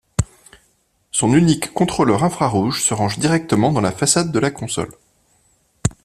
Son unique contrôleur infrarouge se range directement dans la façade de la console.